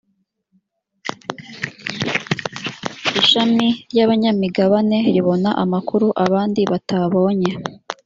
ishami ry’abanyamigabane ribona amakuru abandi batabonye